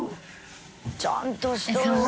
ちゃんとしとるわ。